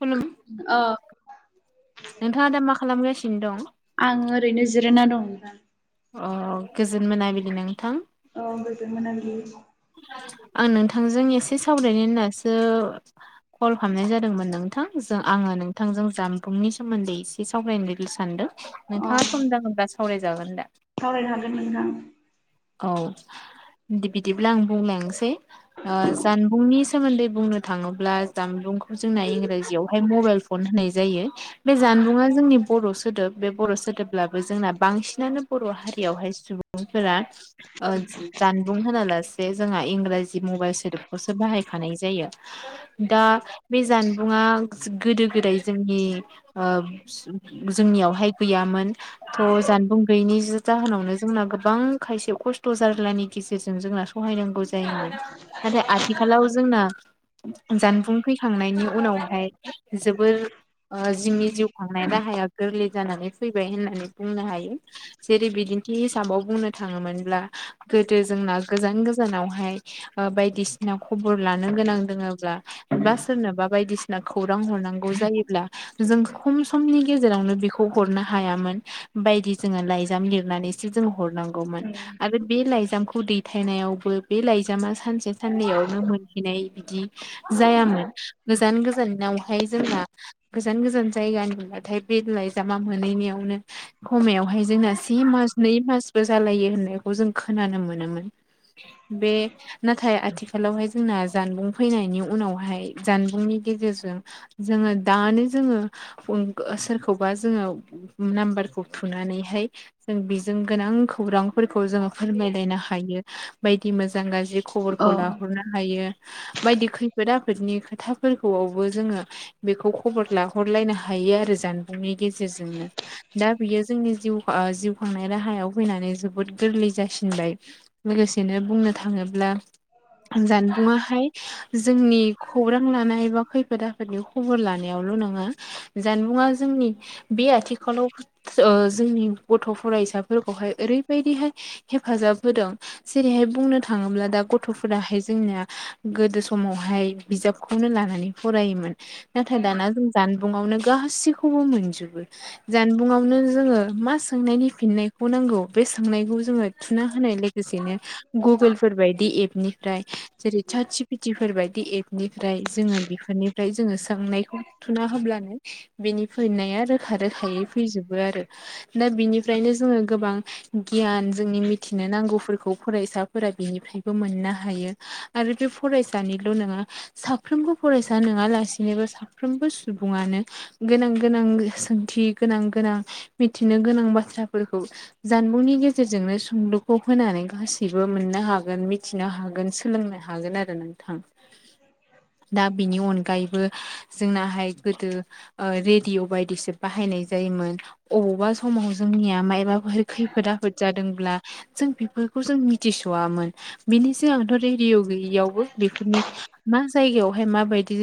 खुलुम औ नोंथाङा दा मा खालामगासिनो दं? आं ओरैनो जिरायना दं नां अ गोजोन मोना बिदि नोंथां। औ गोजोन मोनाबिलि। आं नोंथांजों एसे सावरायनो होननासो कल खालामनाय जादोंमोन नों नथां आङो नोंथांजों जानबुंनि सोमोन्दै एसे सावरायनो सानदों। अ नोंथाङा सम जागोनबा सावरायजागोन दा। सावरायनो हागोन नोंथां। औ बिदिब्ला आं बुंलांनोसै जानबुंनि [unintelligible] थाङोब्ला जानबुंखौ इंराजियाव मबाइल फन होननाय जायो बे जानबुङा जोंनि बर' सोदोब। सोदोब बे बर' सोदोबब्लाबो जोंना बांसिनानो बर' हारियावहाय सुबुंफोरा। जानबुं होनालासे जोंहा इंराजि मबाइल सोदोबखौसो बाहायखानाय जायो दा बे जानबुङा गोदो गोदाय जोंनि ओ जोंनियावहाय गैयामोन थ जानबुं गैयिनि जाहोनावनो जोंना गोबां खायसे खस्थ जारलानि गेजेरजों जोंना सहायनांगौ जायोमोन नाथाय आथिखालाव जोंना जानबुं फैखांनायनि उनावहाय जोबोर ओ जोंनि जिउ खांनाय राहाया गोरलै जानानै फैबाय होननानै बुंनो हायो जेरै बिदिन्थि हिसाबाव बुंनो थाङोमोनब्ला गोदो जोंना गोजान गोजानावहाय ओ बायदिसिना खबर लानो गोनां दङोबब्ला बा सोरनोबा बायदिसिना खौरां हर हरनांगौ जायोब्ला जों खम समनि गेजेरावनो बेखौ हरनो हायामोन बायदि जोङो लाइजाम लिरनानैसो जों हरनांगौ आरो बे लाइजामखौ दैथायनायाव बे लाइजामा सानसे साननैयावनो मोनहैनाय बिदि जायामोन गोजान गोजाननावहाय जोंना गोजान गोजान जायगा मोनब्लाथाय बे लाइजामा मोनहैनियावनो खमायावहाय जोंना से मानट जिनै मासबो जालायो होननायखौ जों खोनानो मोनोमोन। बे नाथाय आथिखालावहाय जोंना जानबुं फैनायनि उनावहाय जानबुंनि गेजेरजों जोङो दानो‌ जोङो सोरखौबा जोङो नाम्बार खौ थुनानैहाय जों बेजों गोनां फोरखौ जोङो फोरमायलायनो हायो बायदि मोजां गाज्रि औ खबरखौ लाहरनो हायो। बायदि खैफोद आफोदनि खोथाफोरखौआवबो जोङो बेखौ खबर लाहरलायनो हायो। हायो आरो जानबुंनि गेजेरजोंनो दा बियो जोंनि जिउ ओ जिउ खांनाय राहायाव फैनानै जोबोद गोरलै जासिनबाय लोगोसेनो बुंनो थाङोब्ला जानबुंङाहाय जोंनि खौरां लानाय एबा खैफोदा फोरनि खबर लानायावल' नङा जानबुङा जोंनि बे आथिखालाव ओ जोंनि गथ' फरायसाफोर ओरैबायदिहाय हेफाजाब होदों जेरैहाय बुंनो थाङोबा दा गथ'फोराहाय जोंनिया गोदो समावहाय बिजाबखौनो लानानै फरायोमोन नाथा नाथाय दाना जों जानबुंआवनो गासैखौबो मोनजोबो जानबुङावनो जोङो मा सोंनायनि फिननाय खौ नांगौ बे सोंनायखौ जोङो थुना होनाय लोगोसेनो गुगोलफोर बायदि एपनिफ्राय जेरै सादजिपितिफोर बायदि एपनिफ्राय जोङो बेफोरनिफ्राय जोङो सोंनायखौ थुना हो होब्लानो बेनि फैनाया रोखा रोखायै फैजोबो आरो दा बिनिफ्रायनो जोङो गोबां गियान जोंनि मिथिनो नांगौफोरखौ फरायसाफोरा बिनिफ्रायबो मोननो हायो। आरो बे फरायसानिल' नङा साफ्रोमबो फरायसा नोङालासिनोबो साफ्रोमबो सुबुं ङानो गोनां गोनां सोंथि गोनां गोनां मिथिनो गोनां बाथ्राफोरखौ जानबुंनि गेजेरजोंनो सुंद'खौ होनानै गासैबो मोननो हागोन मिथिनो हागोन। सोलोंनो हागोन आरो नोंथां। दा बिनि अनगायैबो जोंनाहाय गोदो ओ रेडिअ' बायदिसो बाहायनाय जायो। मोन अबावबा समाव जोंनिया माइ माबाफोर खैफोद-आफोद जादोंब्ला जों बिफोरखौ जों मिथिस'आमोन बेनिसै आंथ' रेडिय' गैयियावबो बेफोरनि मा जायगायावहाय माबायदि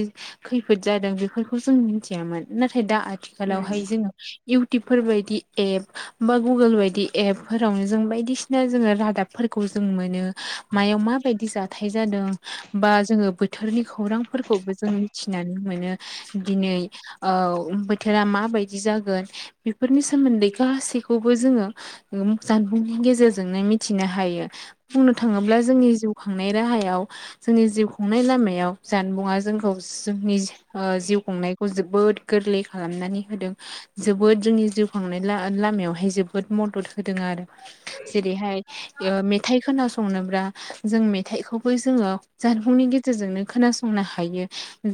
खैफोद जादों बेफोरखौ जों मिथियामोन ना थाय दा आथिखालावहाय जोङो इउटुबफोर बायदि एप बा गुगोल बायदि एपफोरावनो जों बायदिसिना जोङो रादाबफोरखौ जों मोनो मायाव मा बायदि जाथाय जादों बा जोङो बोथोरनि खौरांफोरखौबो जों मिथिनानै मोनो। दिनै ओ बोथोरा माबायदि जागोन बेफोरनि सोमोन्दै गासैखौ खौबो जोङो ओ जानबुंनि गेजेरजोंनो मिथिनो हायो। बुंनो थाङोब्ला जोंनि जिउ खांनाय राहायाव जोंनि जिउ खुंनाय लामायाव जानबुङा जोंखौ जोंनि ओ जिउ खुंनाय खौ जोबोद गोरलै खालामनानै होदों जोबोद जोंनि जिउ खांनाय ला लामायाव हाय जोबोद मदद होदों आरो जेरैहाय ओ मेथाइ खोनासंनोब्रा ओ जों मेथाइखौबो जोङो जानबुंनि गेजेरजोंनो खोनासंनो हायो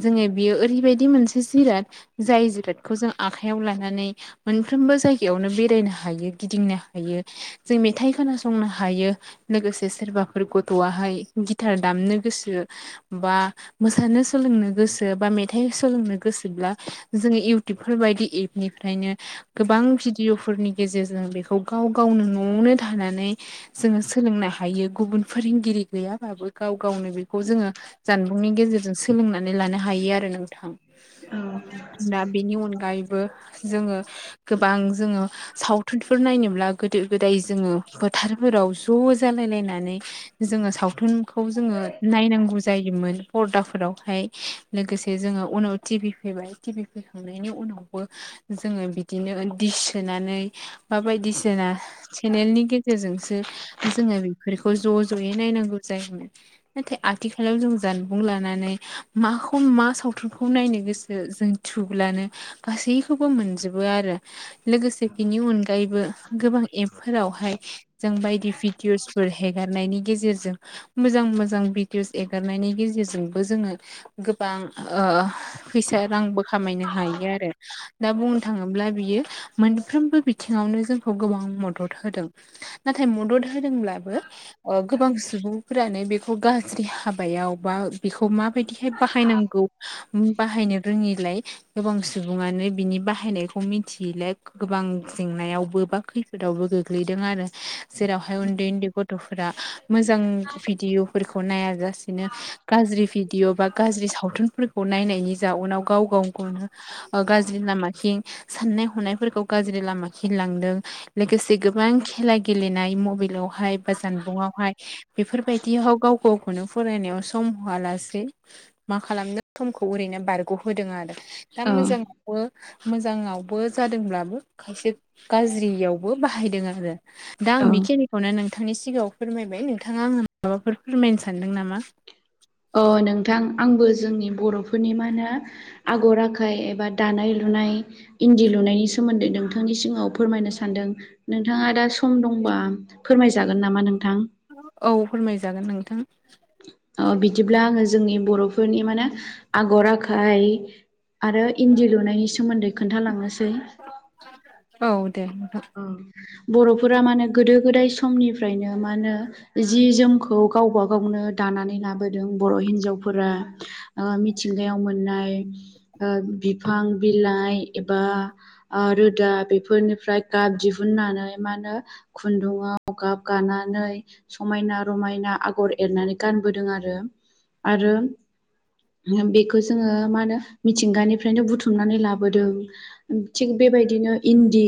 जोङो बेयो ओरैबायदि मोनसे जिराद जाय जिरादखौ जों आखायाव लानानै मोनफ्रोमबो जायगायावनो बेरायनो हा हायो गिदिंनो हायो जों मेथाइ खोनासंनो हायो लोगोसे सोरबाफोर गथ'आ गिथार दामनो गोसो बा मोसानो सोलोंनो गोसो बा मेथाइो सो नो गोसोब्ला जोङो इउटुबफोर बायदि एपनिफ्रायनो गोबां भिडिअफोरनि जे जों बेखौ गाव गावनो न'आवनो थानानै जोङो सोलोंनो हायो गुबुन फोरोंगिरि गैयाबाबो गाव गावनो बेखौ जोङो जानबुंनि गेजेरजों सोलोंनानै लानो हायो आरो नों दा बेनि अनगायै बो जोङो गोबां जोङो सावथुनफोर नायनोब्ला गोदो-गोदाय जोङो फोथारफोराव ज' जालाय लायनानै जों सावथुनखौ जोङो नायनांगौ जायोमोन फदाफोरावहाय लोगोसे जोङो उनाव टिभि फैबाय टिभि फैखांनायनि उनावबो जोङो बिदिनो दिस सोनानै बा बायदिसिना चेनेलनि गेजेरजोंसो जोङो बि बिफोरखौ ज' ज'यै नायनांगौ जायोमोन नाथाय आथिखालाव जों जानबुं लानानै मा खौ मा सावथुनखौ नायनो गोसो जों थुुब्लानो गासैखौबो मोनजोबो आरो लोगोसे बेनि अनगायैबो गोबां एपफोरावहाय जों बायदि भिडअसफोर हेगारनायनि गे गेजेरजों मोजां मोजां भिडअस एगारनायनि गेजेरजोंबो जोङो गोबां ओ ओ फैसा रांबो खामनो हायो आरो दा बुंनो थाङोब्ला बियो फ्रोमबो बिथिङावनो जोंखौ गोबां मदद होदों नाथाय मदद होदोंब्लाबो ओ गोबां सुबुंफोरानो बेखौ गाज्रि हाबायाव बा बेखौ मा बेदिहाय बाहायनांगौ बाहायनो रोङै गोबां सुबुंङानो बिनि बाहायनायखौ मिथियैलाय गोबां जेंनायावबो बा खैफोदावबो गोग्लैदों आरो जेरावहाय उन्दै उन्दै गथ'फोरा मोजां भिडअफोरखौ नाय जासेनो गाज्रि भिडअ बा गाज्रि सावथुन फोर नायनायनि जाउनाव गाव गाव गावनो गाज्रि लामाथिं साननाय हनाय गाज्रि लामा खेल लांदों लोगोसे गोबां खेला गेलेनाय मबाइलवहाय बाजान हाय बेफोरबायायदि गाव गाव गावखौनो फरायनायाव सम होआलासे मा खालामदों समखौ ओरैनो बारग'होदों आरो दा औ मोजांङावबो मोजाङावबो जादोंब्लाबो खायसे गाज्रियावबो बाहायदों आरो दा आं बेखिनिखौनो नों नोंथांनि सिगांङाव फोरमायबाय नोंथांङा आंङो माबाफोर फोरमायनो सानदों नामा अ नोंथां आंबो जोंनि बर'फोरनि मा होनो आगर आखाय एबा दानाय लुनाय इन्दि लुनायनि सोमोन्दै नोंथांनि सिगांङाव फोरमायनो सानदों नोंथांङा दा सम दंबा फोरमायजागोन नामा नों औ फोरमाय जागोन नोंथां ओ बिदिब्ला आङो जोंनि बर'फोरनि माने आगर आखाय आरो इन्दि लुनायनि सोमोन्दै खोन्थालांनोसै औ दे नोंथां औ बर'फोरा मे गोदो गोदाय समनिफ्रायनो मा होनो जि जोमखौ गावबा गावनो दा बर' हिजावफोरा मिथिंगायाव मोननाय बिफां बिलाइ एबा रोदा बेफोरनिफ्राय गाब दिहुननानै मा होनो खुन्दुंङाव गाब गानानै समायना रमायना आगर एरनानै गानबोदों आरो आरो बेखौ जोंङो मा होनो मिथिंगानिफ्रायनो बुथुमनानै लाबोदों। थिग बे बायदिनो इन्दि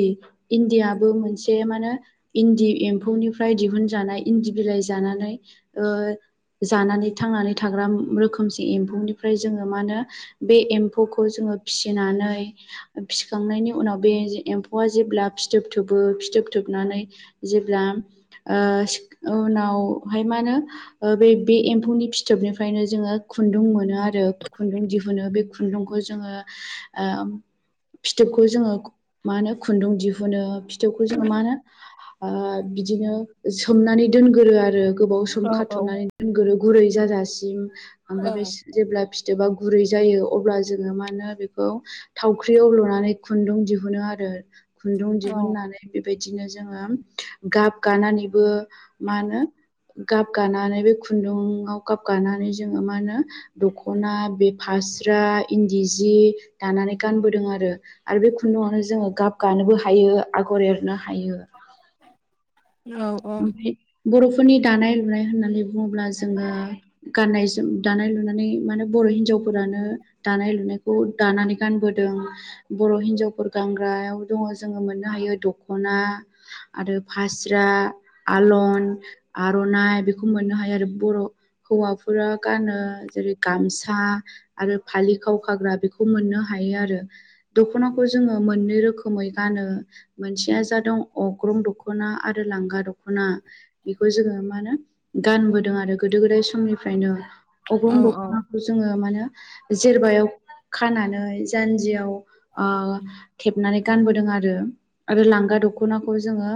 इन्दियाबबो मोनसे माने इन्दि एम्फौनिफ्राय दिहुनजानाय इन्दि बिलाइ जानानै जानानै थांनानै थाग्रा रोखोमसे एम्फौनिफ्राय जोंङो मा होनो बे एम्फौखौ जोंङो फिसिनानै फिखांनायनि उनाव बे एम्फौआ जेब्ला फिथोब थ फिथोब थोबनानै जेब्ला उनावहाय माहोनो बे एमौनि फि थोबनिफ्रायनो जोंङो खुन्दुं मोनो आरो खुन्दुं दिहुनो बे खुन्दुंखौ जोंङो [inaudible] फिथोबखौ जोंङो मा होनो खुन्दुं दिहु नों फिथोबखौ जोंङो मा होनो बिदिनो सोमनानै दोनगोरो आरो गोबाव सम औ औ खाथुमनानै दोनगोरो गुरै जाजासिम औ ओमफ्राय बे जेब्ला फिथोबा गुरै जायो अब्ला जोंङो मा होनो बेखौ थावख्रियाव लुनानै खुन्दुं दिहुनो आरो खुन्दुं औ दिहुननानै बेबायदिनो जोंङो गाब गानानैबो मा होनो गाब गानानै बे खुन्दुाव गाब गानानै जोंङो मा होनो दखना बेफ फास्रा इन्दि जि दानानै गानबोदों आरो। आरो बे खुन्दुावनो जोंङो गाब गानोबो हायो आगर एरनो हायो। औ औ ओमफ्राय बर'फोरनि दानाय लुनाय होननानै बुंङोब्ला जोंङो गाननाय जोम दानाय लुनानै माने बर' बर' हिनजावफोरानो दानाय लुनायखौ दानानै गानबोदों बर' हिनजावफोर गानग्रा गोबां दंङो जोंङो मोननो हायो दख'ना आरो फास्रा आलन आर'नाइ बेखौ मोननो हायो आरो बर' हौवाफोरा गानो जेरै गामसा आरो फालि खाव खाग्रा बेखौ मोननो। मोननो हायो आरो मोननै रोखोमै गानो मोनसेया जादों अग्रं दख'ना आरो लांगा दख दख'ना बेखौ जोङो मा होनो गानबोदों आरो गोदो गोदाय समनिफ्रायनो औ अग्रं दख'नाखौ जोङो माने जेरबायाव खानानै जान जियाव थेबनानै गानबोदों आरो आरो लांगा दख'नाखौ जोङो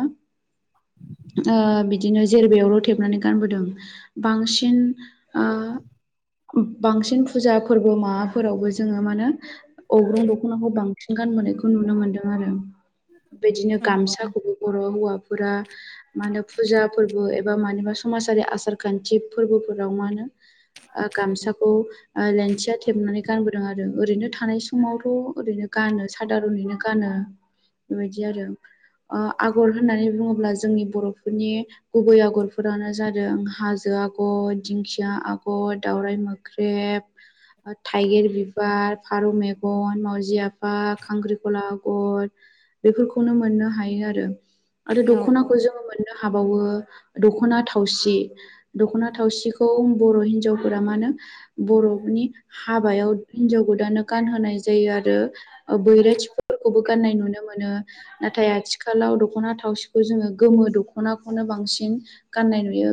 बिदिनो जेरबायावल' थेबनानै गानबोदों। बांसिन बांसिन फुजा फोरबो माबाफोरावबो जोङो मानो अग्रं दख'नाखौ बांसिन सिन गानबोनायखौ नुनो मोन्दों आरो बेबायदिनो गामसाखौबो बर' हौवा फोरा मा होनो फुजा फोरबो एबा मानिबा समाजारि आसार खान्थि फोरबोफोराव मा होनो गामसाखौ लेनथिया थेबनानै गानबोदों आरो ओरैनो थानाय समावथ' ओरैनो गानो सादारनैनो गानो बेबायदि आरो आगर होननानै बुङोब्ला जोंनि बर'फोरनि गुबै आगरफोरानो जादों हाजो आगर दिंखिया आगर दाउ वराइ मोख्रेब थाइगिर बिबार फारौ मेगन मावजि आफा खांख्रिखला आगर। बेफोरखौनो मोननो हायो आरो आरो औ दख'नाखौ जों मोननो हाबावो दख'ना थावसि दख'ना थावसिखौ बर' हिनजावफोरा मानो बर'नि हाबायाव हिन्जाव गोदानो गानहोनाय जायो आरो बैराथिफोरखौबो गाननाय नुनो मोनो। मोनो। नाथाय आथिखालाव दख'ना थावसिखौ जोङो गोमो दख'नाखौनो बांसिन गाननाय नुयो।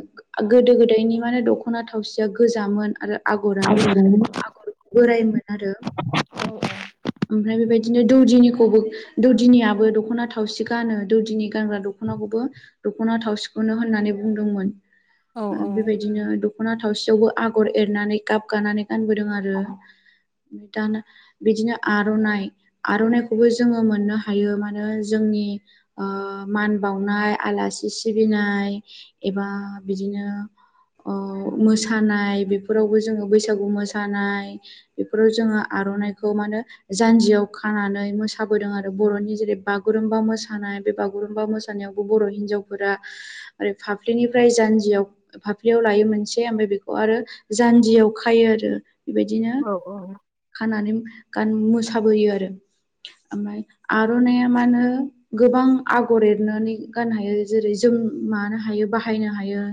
गोदो गोदायनि माने दखना दख'ना थावसिया गोजामोन आरो आगराबो आगर बोरायमोन आरो। ओमफ्राय बेबायदिनो दौदिनिखौबो दौदिनियाबो दख'ना थावसि गानो दौदिनि गानग्रा दख'ना दखनाखौबो दख'ना थाव सिखौनो होननानै बुंदोंमोन। औ बेबायदिनो दख'ना थावसियावबो आगर एरनानै गाब गानानै गानबोदों आरो। दानो बिदिनो आर'नाइ आर'नाइखौबो जोङो मोननो हायो मानो जोंनि माने बाउनाय आलासि सिबिनाय एबा बिदिनो। मोसानाय बेफोरावबो जोङो बैसागु मोसानाय बेफोराव जोङो आ आर'नाइखौ मानो। जानजियाव खानानै मोसाबोदों आरो बर'नि जेरै बागुरुम्बा मोसानाय बे बागुरुम्बा मोसानाय। याव बर' हिनजावफोरा फाफ्लिनिफ्राय जानजिआव फाफलियाव लायो मोनसे ओमफ्राय। बेखौ आरो जान्जियाव खायो आरो बेबायदिनो औ औ खानानै गान मोसाबोयो आरो ओमफ्राय आर'नाइया मानो गोबां आगर एरनानै गाननो हायो जेरै जों मानो हायो बाहायनो हायो।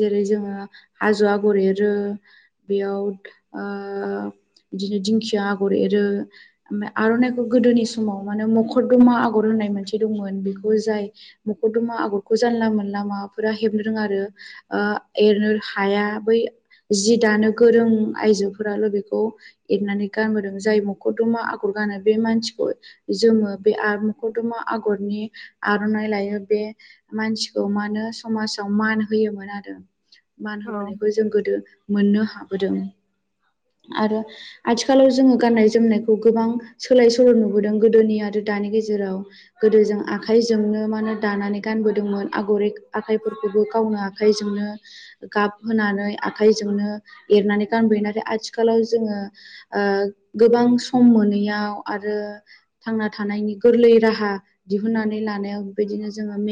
जेरै जोङो हाजो आगर एरो बेयाव बिदिनो दिंखिया आगर बो एरो ओमफाय आर'नाइखौ गोदोनि समाव माने मखरदमा आगर होननाय मोनसे दंमोन बेखौ। जाय मखर दमा आगरखौ जानला मानला माबाफोरा हेबनो रोङा आरो एरनो हाया बै जि दानो गोरों आइजोफोराल' बेखौ एरनानै गानबोदों जाय मखरदमा आगर गानो बे मानसिखौ जोमो बे आरो मखरदमा आगरनि आर'नाइ लायो बे मानसिखौ मानो समाजाव मान होयोमोन आरो। मान औ होबोनायखौ जों गोदो मोननो हाबोदों आरो आथिखालाव जोङो। गाननाय जोमनायखौ गोबां सोलाय सोल' नुबोदों गोदोनि आरो दानि गेजेराव गोदो जों आ आखायजोंनो मा होनो दानानै गानबोदोंमोन आगर एरि आखाइफोरखौबो गावनो आखाइजोंनो। गाब होनानै आखाइजोंनो एरनानै गानबोयो नाथाय आथिखालाव। जोङो गोबां सम मोनैयाव आरो थांना थानायनि गोरलै राहा दिहुननानै लानायाव बेबायदिनो जोङो